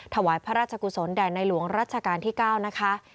ถวายพระราชกุศลแด่ในหลวงรัชกาลที่๙นะคะ